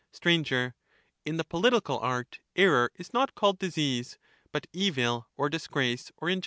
Sir, In the political art error is not called disease, but evil, or disgrace, or injustice.